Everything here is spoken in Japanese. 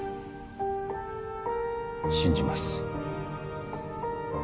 信じます。